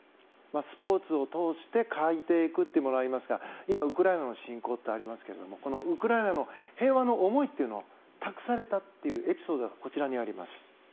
スポーツを通して変えていくとありますが今、ウクライナの侵攻ってありますけどもウクライナの平和の思いというのが託されたというエピソードがこちらにあります。